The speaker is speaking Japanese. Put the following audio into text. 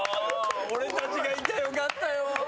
俺たちが行きゃよかったよ！